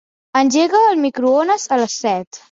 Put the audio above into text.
Engega el microones a les set.